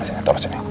disini turun disini